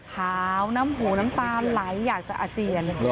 หาวน้ำหูน้ำตาไหลอยากจะอาเจียน